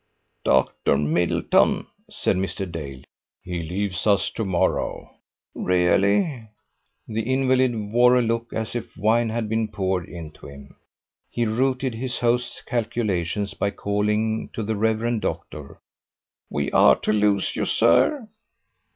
"Dr Middleton?" said Mr. Dale. "He leaves us to morrow." "Really!" The invalid wore a look as if wine had been poured into him. He routed his host's calculations by calling to the Rev. Doctor. "We are to lose you, sir?"